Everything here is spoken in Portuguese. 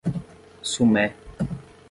Sumé